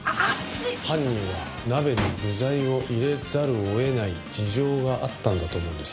犯人は鍋に具材を入れざるを得ない事情があったんだと思うんです。